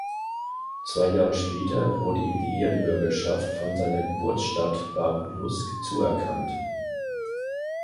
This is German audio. Zwei Jahre später wurde ihm die Ehrenbürgerschaft von seiner Geburtsstadt Babrujsk zuerkannt.